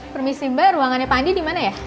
permisi mbak ruangannya pak andi dimana ya